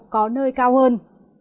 có nơi cao hơn